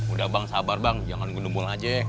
udah bang sabar bang jangan nge numel aja ya